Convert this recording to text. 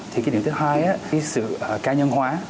thì cái điểm thứ hai cái sự ca nhân hóa